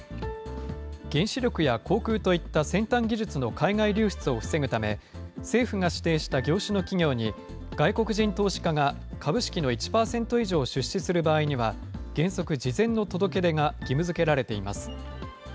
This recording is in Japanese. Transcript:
原子力や航空といった先端技術の海外流出を防ぐため、政府が指定した業種の企業に、外国人投資家が株式の１％以上を出資する場合には、原則、事前の届け出が義務づけられています。